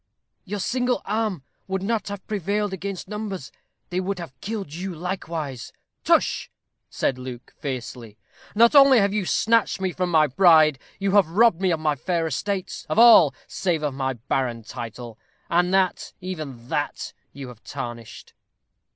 "Your single arm would not have prevailed against numbers: they would have killed you likewise." "Tush!" said Luke, fiercely. "Not only have you snatched from me my bride, you have robbed me of my fair estates, of all, save of my barren title, and that, even that, you have tarnished."